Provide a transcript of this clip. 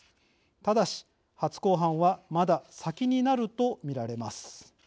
ただし初公判はまだ先になると見られます。